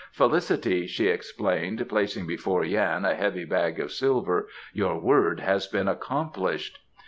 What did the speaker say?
"Felicity," she explained, placing before Yan a heavy bag of silver. "Your word has been accomplished."